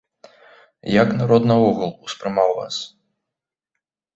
Як народ наогул успрымаў вас?